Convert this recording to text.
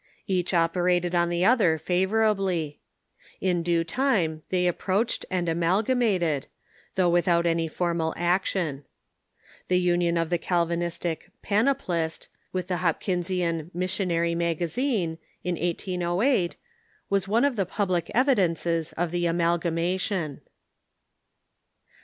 Each operated on the other favorably. In due time they approached and amalga mated, though Avithout any formal action. The union of the Cal vinistic PanopUst with the Ilopkinsian Missionary Magazine, in 1808, was one of the public evidences of the amalgamation.